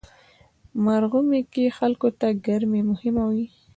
مرغومی کې خلکو ته ګرمي مهمه وي.